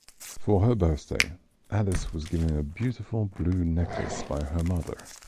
For her birthday, Alice was given a beautiful blue necklace by her mother.